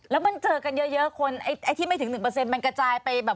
แล้วมันเจอกันเยอะคนไอ้ที่ไม่ถึง๑มันกระจายไปแบบ